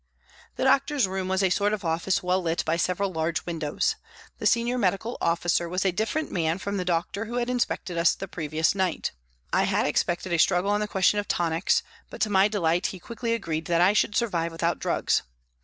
The doctor's room was a sort of office well lit by several large windows. The Senior Medical Officer was a different man from the doctor who had inspected us the previous night. I had expected a struggle on the question of tonics, but to my delight he quickly agreed that I should survive without drugs.